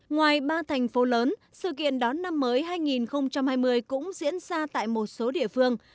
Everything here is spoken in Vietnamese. ngoài ba thành phố lớn sự kiện đón năm mới hai nghìn hai mươi cũng diễn ra tại một số địa phương